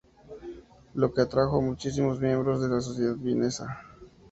Lo que atrajo a muchísimos miembros de la sociedad Vienesa.